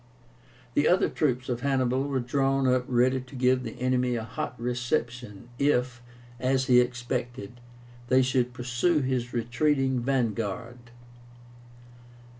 The other troops of Hannibal were drawn up ready to give the enemy a hot reception, if, as he expected, they should pursue his retreating vanguard.